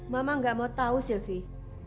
mama gak mau tahu sylvie